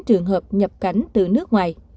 trường hợp nhập cảnh từ nước ngoài